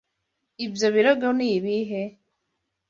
Ibyo birego ni ibihe?